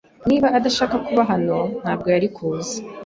Niba adashaka kuba hano, ntabwo yari kuza.